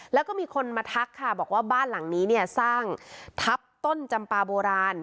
แล้วก็มีคนมาทักค่ะบอกว่าบ้านหลังนี้เนี่ยสร้างทัพต้นจำปลาโบราณ